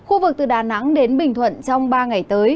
khu vực từ đà nẵng đến bình thuận trong ba ngày tới